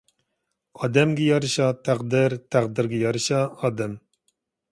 ئادەمگە يارىشا تەقدىر تەقدىرگە يارىشا ئادەم